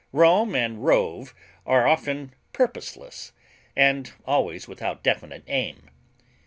Roam and rove are often purposeless, and always without definite aim.